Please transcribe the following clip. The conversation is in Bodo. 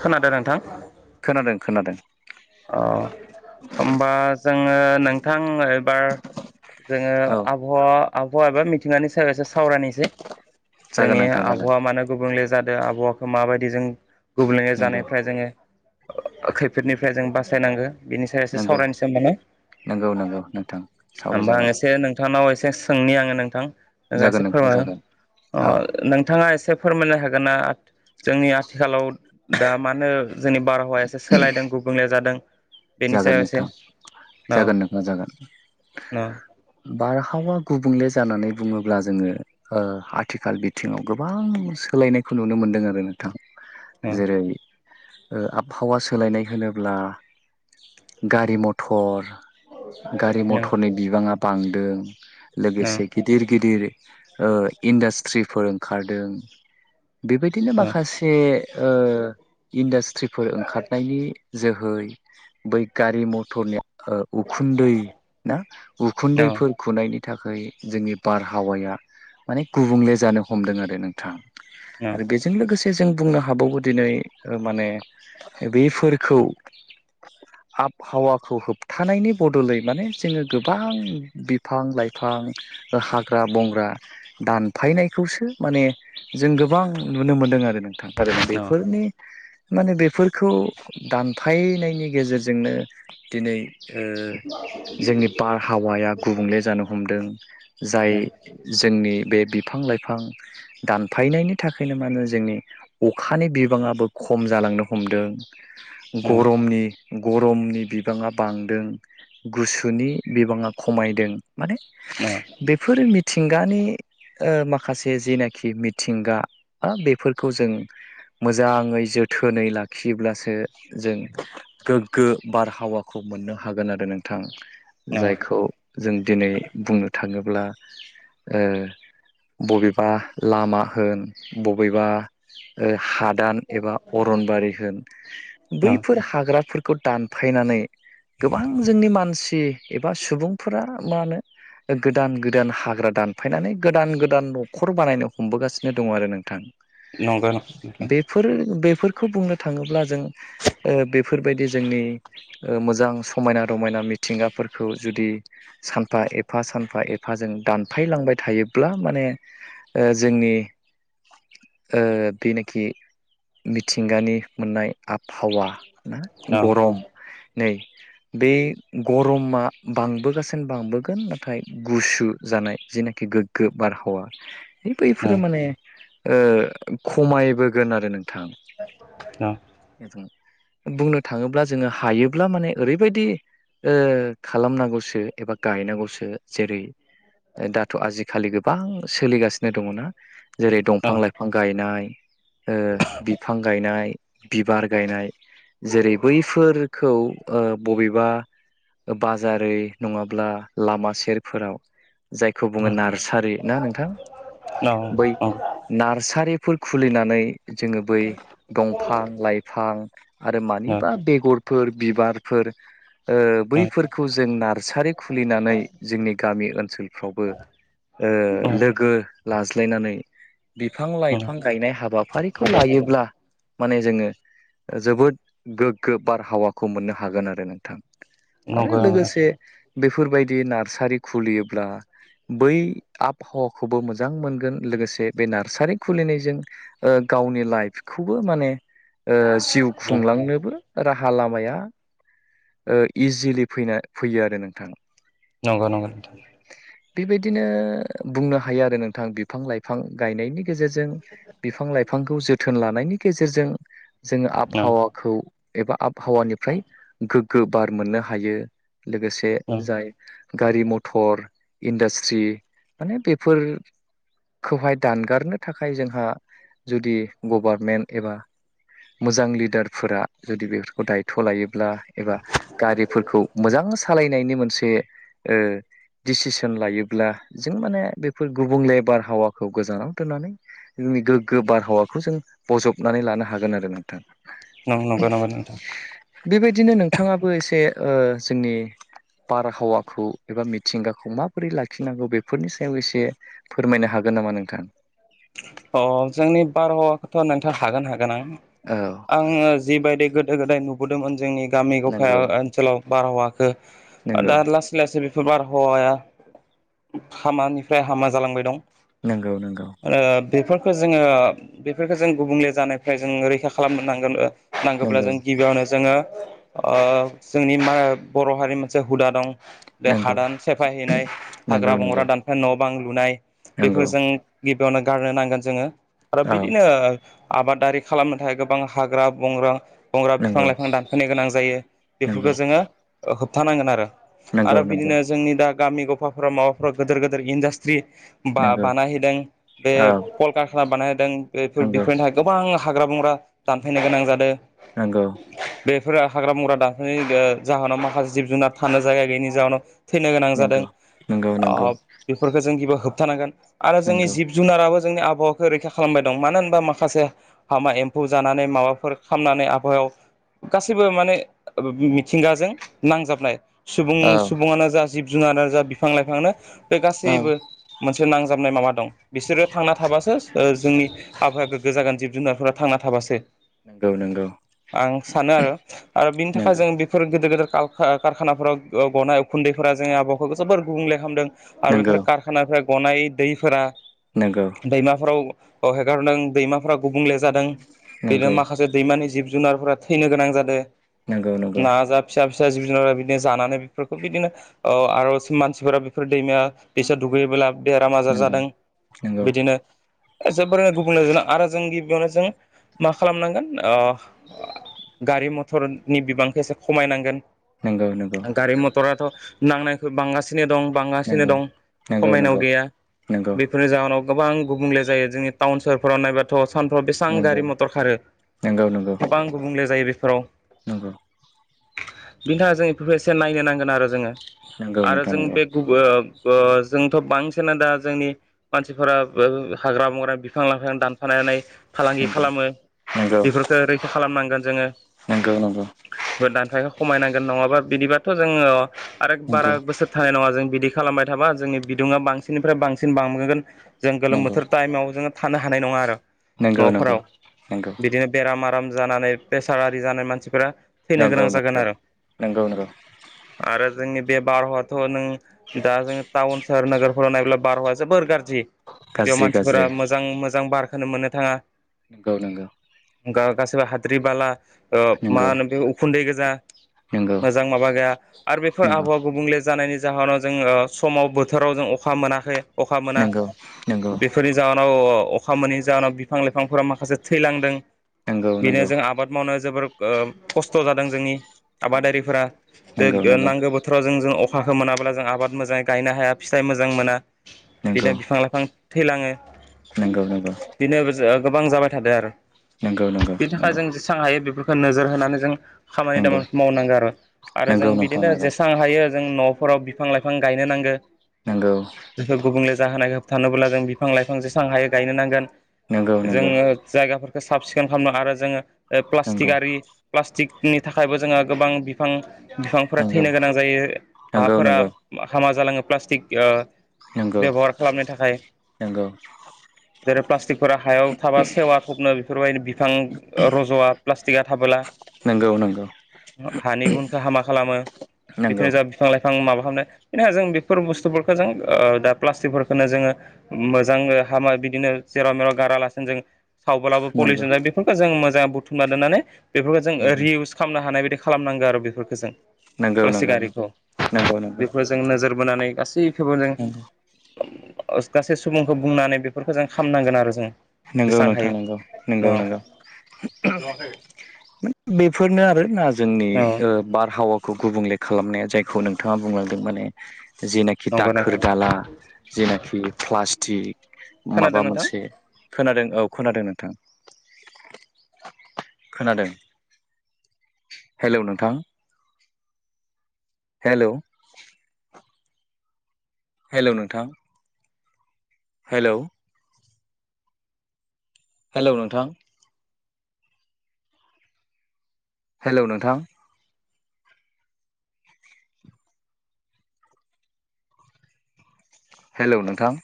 खोनादों नोंथां खोनादों खोनादों अ होमबा जोङो नोंथां एबार जोङो औ आबहावा आबहावा एबा मिथिंगानि सायाव एसे सावरायनोसै जागोन जोंनि नोंथां जागोन आबहावा मानो गुबुंले जादों आबहावाखौ माबायदि जों गुबले नंगौ जानायफ्राय जोङो खैफोदनिफ्राय जों बासायनांगौ बिनि सायाव एसे नंगौ सावरायनोसै माने नंगौ नंगौ नोंथां होमबा आं सावरायजागोन एसे नोंथांनाव एसे सोंनि आङो नोंथां जागोन एसे नोंथां फोरमा जागोन औ नोंथाङा एसे फोरमायनो हागोन ना जोंनि आथिखालाव दा मा होनो जोंनि बारहावाया एसे सोलायदों गुबुंले जादों बेनि जागोन सायाव एसे नोंथां न जागोन नोंथां जागोन न बार खावा गुबुंले जानानै बुङोब्ला जोङो आथिखाल बिथिङाव गोबां सोलायनायखौ नुनो मोनदों आरो नोंथां न जेरै आबहावा सोलायनाय होनोब्ला गारि मथर गारि नंगौ मटरनि बिबाङा बांदों लोगोसे गिदिर गिदिर ओ इन्डास्ट्रिफोर ओंखारदों बेबायदिनो नंगौ माखासे ओ इन्डास्ट्रिफोर ओंखारनायनि जोहै बै गारि मथरनि उखुन्दै ना उखुन्दैफोर नंगौ खुनायनि थाखाय जोंनि बारहावाया माने गुबुंले जानो हमदों आरो नोंथां आरो बेजों लोगोसे जों बुंनो हाबावो दिनै माने बेफोरखौ औ आबहावाखौ होबथानायनि बदलै माने जोङो गोबां बिफां लाइफां हाग्रा बंग्रा दानफायनायखौसो माने जों गोबां नुनो मोनदों आरो नोंथां बेफोरनि माने बेफोरखौ दानफायनायनि गेजेरजोंनो दिनै जोंनि बारहावाया गुबुंले जानो हमदों जाय जोंनि बे बिफां लाइफां दानफायनायनि थाखायनो माने जोंनि अखानि बिबाङाबो ख खम जालांनो हमदों गरमनि गरमनि बिबाङा बांदों गुसुनि बिबाङा खमायदों माने बेफोर मिथिंगानि माखासे जेनाखि मिथिंगा बेफोरखौ जों मोजाङै जों जोथोनै लाखियोब्लासो जों गोग्गो बारहावाखौ मोननो हागोन आरो नोंथां नंगौ जायखौ जों दिनै बुंनो थाङोब्ला बबेबा लामा होन बबेबा हाद दान एबा अरनबारि होन बैफोर हाग्राफोरखौ दानफायनानै गोबां जोंनि मानसि एबा सुबुंफोरा मा होनो गोदान गोदान हाग्रा दानफायनानै गोदान गोदान न'खर बानायनो हमबोगासिनो दङ आरो नोंथां नोंथां बेफोर बेफोरखौ बुंनो थाङोब्ला जों बेफोरबायदि जोंनि मोजां समायना रमायना मिथिंगाफोरखौ जुदि सानफा एफा सानफा एफा जों दानफायलांबाय थायोब्ला माने जोंनि [inaudible] बेनोखि मिथिंगानि मोननाय आबहावा ना औ गरम नै बे गरमा बांबोगासिनो बांबोगोन नाथाय गुसु जानाय जिनाखि गोग्गो बारहावा है बैफोरो माने खमायबोगोन आरो नों थां बुंनो थाङोब्ला जोङो हायोब्ला माने ओरैबायदि खालामनांगौसो एबा गायनांगौसो जेरै दाथ' आजिखालि गोबां सोलिगासिनो दङना जेरै दंफां लाइफां गायनाय बिफां गायनाय बिबार गायनाय जेरै बैफोरखौ बबेबा बाजारै नङाब्ला लामा सेरफोराव जायखौ बुङो नार्सारि ना नोंथां बै नार्सारि बेफोर खुलिनानै जोङो बै दंफां लाइफां आरो मानिबा बेगरफोर बिबारफोर बैफोरखौ जों नार्सारि खुलिनानै जोंनि गामि ओनसोलफ्रावबो लोगो लाज्लायनानै बिफां लाइफां गायनाय हाबाफारिखौ लायोब्ला माने जोङो जोबोद गोग्गो बारहावाखौ मोननो हागोन आरो नोंथां आरो लोगोसे बेफोरबायदि नार्सारि खुलियोब्ला बै आबहावाखौबो मोजां मोनगोन लोगोसे बे नार्सारि खुलिनायजों गावनि लाइफखौबो माने जिउ खुंलांनोबो राहा लामाया ओ इजिलि फैना फैयो आरो नोंथां बेबायदिनो बुंनो हायो आरो नोंथां बिफां लाइफां गायनायनि गेजेरजों बिफां लाइ फांखौ जोथोन लानायनि गेजेरजों जे आबहावाखौ एबा आबहावानिफ्राय गोग्गो बार मोननो हायो। लोगोसे जाय गारि मथर इन्डास्ट्रि माने बेफोर खौहाय दानगारनो थाखाय जोंहा जुदि गभारमेन्ट एबा मो जां लिडारफोरा जुदि बेफोरखौ दायथ' लायोब्ला एबा गारिफोरखौ मोजां सालायनायनि मोनसे दिडसिसन लायोब्ला जों माने बेफोर गुबुंले बारहावाखौ गोजानाव दोननानै जोंनि गोग्गो बारहावाखौ जों बजबनानै लानो हागोन आरो नों थां नंगौ नंगौ नोंथां बेबायदिनो नोंथाङाबो एसे ओ जोंनि बारहावाखौ एबा मिथिंगाखौ माबोरै लाखिनांगौ बेफोरनि सायाव एसे फोरमायनो हा गोन नामा नोंथां अ जोंनि बारहावाखौथ' नोंथां हागोन हा गोनां औ आङो जिबायदि गोदो गोदाय नुबोदोंमोन जोंनि गामि नंगौ गफाया ओनसोलाव बारहावखौ नंगौ दा लासै लासै बे फोर बारहावाया हामानिफ्राय हामा जालांबाय दं। नंगौ नंगौ। ओ बेफोरखौ जोङो बेफोरखौ जों गुबुंले जानायफ्राय जों रैखा खालामनांगोन। नांगौब्ला नंगौ जों गिबियावनो जोङो जोंनि बर' हारिनि मोनसे हुदा दं बे नंगौ हादान सेफायहैनाय नंगौ हाग्रा नंगौ बंग्रा दानफेन न' बां लुनाय। नंगौ बेफोरजों गिबियावनो गारनो नांगोन जोङो आरो औ बिदिनो आबादारि खालामनो थाखाय गोबां हाग्रा बंग्रा बंग्रा बिफां नंगौ लाइफां दानफैनो गोनां जायो नंगौ बेफोरखौ जोङो होबथानांगोन आरो। नंगौ आरो नंगौ बिदिनो जोंनि दा गामि गफाफोराव माबाफोराव गिदोर गिदिर इन्डास्ट्रि बा नंगौ बानायहैदों बे औ कलकखाना बानायहैदों बेफोर नंगौ बेफोरनि थाखाय गोबां हाग्रा बंग्रा दानफैनो गोनां जादों। नंगौ बेफोरो हाग्रा बंग्रा दानफनायनि जाहोनाव माखासे जिब जुनार थानो जायगा गैयैनि जाहोनाव थैनो गोनां जादों नंगौ नंगौ नंगौ बेफोरखौ जों गिबियाव होबथानांगोन आरो जोंनि नंगौ जिब जोंनि आबहावाखौ रैखा खालामबाय दं मानो होनबा माखासे हाबा एम्फौ जानानै माबाफोर खालामनानै आबहायाव गासैबो माने मिथिंगाजों नांजाबनाय। सुबुं औ सुबुङानो जा जिब जुनारानो जा बिफां लाइफाहानो बे औ गासैबो मोनसे नां जाबनाय माबा दं बिसोरो थांना थाबासो जोंनिबावाया गोग्गो जागोन। जुनारफोरा थांना थाबासो। नंगौ नंगौ आं सानो आरो आरो बिनि थाखाय नंगौ जों बेफोर गेदेर गेदेर कारखानाफोराव गनाय उखुन्दैफोरा जोंनि आबौखौ जोबोर गुबुंले खालामदों आरो बेफोर नंगौ कारखानाफोरा गनाय दैफोरा दैमाफोराव अ हेगारदों दैमाफोरा गुबुंले जादों बेनो नंगौ नंगौ माखासे दैमानि जिब जुनारफोरा थैनो गोनां जादों। नंगौ नंगौ ना जा फिसा फिसा जिब जुनार बिदिनो जानानै बेफोरखौ बिदिनो आर आरो मानसिफोरा बेफोर दैमाया दैसा दुगैयोब्ला बेराम आजार नंगौ जादों नंगौ नंगौ बिदिनो जोबोरैनो गुबुंले आरो जों गिबियावनो जों मा खालामनांगोन गारि मथरनि बिबांखौ एसे खमायनांगोन नंगौ नंगौ नंगौ गारि मथराथ' नांनायखइ बांगासिनो दं। बांगासिनो दं खमायनाव गैया बेफोरनि जाहोनाव गोबां गुबुंले जायो जोंनि टाउन सहरफोराव नायबाथ' सानफ्राव बेसेबां गारि मथर खारो गोबां गुबुंले जायो बेफोराव नोंंगौ बिनि थाखाय जों प्रफेसियेन नायनो नांगोन आरो जोङो नंगौ आरो नोंथां जों नंगौ बे जोंथ बांसिन दा जोंनि मानसिफोरा हाग्रा बंग्र बिफां लांफां दानफायनानै फालांगि खालामो नंगौ नंगौ बेफोरखौ रैखा खालामनांगोन जोङो नंगौ नंगौ दानफायनो खमाय नांगोन नङाबा बिदिबाथ‌ जोङो आरो बारा नंगौ बोसोर थानाय नङा जों बिदि खालामबाय थाबा जोंनि बिदुङा बांसिननिफ्राय बांसिन बांबाय जों गोलोम नंगौ बोथोर टाइमाव जोङो थानो हानाय नङा आरो नंगौ न'फोराव बिदिनो बेराम आराम जानानै प्रेसार आरि जानाय मानसिफोरा थैनो गोनां नंगौ नंगौ जागोन आरो नंगौ नंगौ आरो जोंनि बे बारहावाथ नों दा जों टाउन सोहर नोगोरफोराव नायोब्ला बारहावाया जोबोर गाज्रि बेयाव गाज्रि मानसिफोरा गाज्रि मोजां मोजां बारखौनो मोननो थाङा नंगौ नंगौ गासैबो हाद्रि बाला मा नंगौ होनो बे उखुन्दै गोजा नंगौ मोजां माबा गैया आरो बेफोर नंगौ आबहावा गुबुंले जानायनि जाहोनाव जोङो समाव बोथोराव जों अखा मोनाखै अखा मोना नंगौ नंगौ बेफोरनि जाहोनाव अखा मोनैनि जाहोनाव बिफां लाइफांफोरा माखासे थैलांदों नंगौ बेनो नंगौ जों आबाद मावनो जोबोर खस्थ जादों जोंनि नंगौ आबादारिफोरा नंगौ जे नांगौ बोथोराव जों जों अखाखौ मोनाब्ला जों आबाद मोजाङै गायनो हाया फिथाइ मोजां मोना बिदिनो नंगौ बिफां लाइफां थैलाङो नंगौ नंगौ बिनो गोबां जाबाय थादों आरो नंगौ बेनि नंगौ थाखाय जों जेसेबां हायो बेफोरखौ नोजोर होनानै जों खामानि नंगौ दामानि मावनांगौ आरो आरो जों नंगौ नोंथां बिदिनो नंगौ जेसेबां हायो जों न' फोराव बिफां लाइफां गायनो नांगो नंगौ बे गुबुंले जाहोनाय होबथानोब्ला जों बिफां लाइफां जेसेां हायो गायनो नांगोन नंगौ नंगौ जोङो जायगाफोरखौ साब सिखोन खालामनो आरो जोङो नंगौ प्लास्टिक आरि प्लास्टिक नि थाखायबो जोङो गोबां बिफां बिफांफोरा नंगौ थैनो गोनां जायो नंगौ नंगौ हाफोरा हामा जालाङो प्लास्टिक नंगौ बेबहार खालामय थाखाय जेरै प्लास्टिकफोरा हायाव थाबा सेवा थबनो बेफोरबायदि बिफां रजवा प्लाष्टिका थाबोला नंगौ नंगौ हानि गुनखौ हामा खालामो बिफोरनो जा बिफां लाइफां बिफां माबा खालामनो बेनि जों बेफोर बुस्थुफोरखौ जों दा प्लास्टिकफोरखौनो जोङो मोजां हामा बिदिनो जेराव मेराव गारालासिनो जों सावब्लाबो पलिउसन जायो बेफोरखौ जों मोजाङै बुथुमना दोन्नानै बेफोरखौ जों रि इउस खालामनो हानाय बे खालामनांगौ आरो बेफोरखौ जों नंगौ प्लास्टिक आरिखौ नंगौ बेफोर जों नोजोर बोनानै गासै खोबो जों [inaudible] गासै सुबुंखौ बुंनानै बेफोरखौ जों खालामनांगोन आरो जों नंगौ जेसेबां नोंथां हायो नगौ नंगौ औ नंगौ बेफोरनो आरोना जोंनि औ बारहावाखौ गुबुंले खालामनाया जायखौ नोंथाङा बुंलांदों माने जेनाखि नंगौ दाखोर नोंथां दाला जेनाखि प्लास्टिक खोनादों माबा नोंथां मोनसे खोनादों औ खोनादों नोंथां खोनादों हेलौ नोंथां हेलौ हेलौ नोंथां हेलौ हेलौ नोंथां हेलौ नोंथां हेलौ नोंथां